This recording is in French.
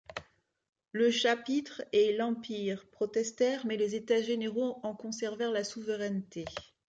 Le chapitre et l'Empire protestèrent mais les États-Généraux en conservèrent la souveraineté.